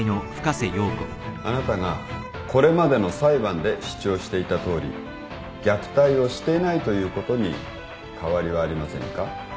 あなたがこれまでの裁判で主張していたとおり虐待をしていないということに変わりはありませんか。